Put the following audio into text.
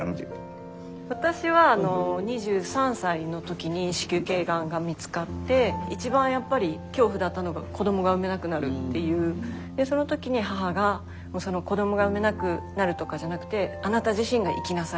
私は２３歳のときに子宮頸がんが見つかって一番やっぱり恐怖だったのが子どもが産めなくなるっていうそのときに母が「子どもが産めなくなるとかじゃなくてあなた自身が生きなさい」と。